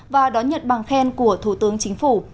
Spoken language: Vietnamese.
và đón nhận bằng khen của thủ tướng chính phủ